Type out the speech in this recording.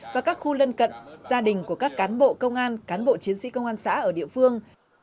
và các khu lân cận gia đình của các cán bộ công an cán bộ chiến sĩ công an xã ở địa phương